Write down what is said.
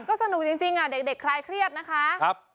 ก็สนุกจริงเด็กคลายเครียดนะคะ